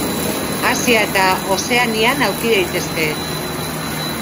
Asia eta Ozeanian aurki daitezke.